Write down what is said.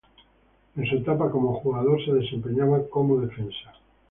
En su etapa como jugador se desempeñaba como defensa.